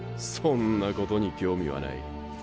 そんなことに興味はない。